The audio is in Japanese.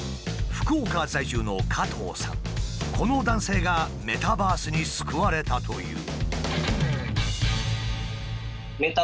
この男性がメタバースに救われたという。